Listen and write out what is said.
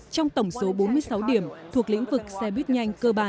trong tổng số bốn mươi sáu điểm thuộc lĩnh vực xe biết nhanh